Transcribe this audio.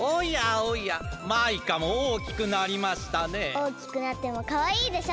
おおきくなってもかわいいでしょ？